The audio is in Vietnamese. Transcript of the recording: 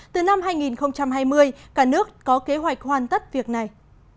từ năm hai nghìn hai mươi cả nước có kế hoạch hoàn tất việc này